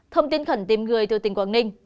thông tin khẩn tìm người từ tỉnh quảng ninh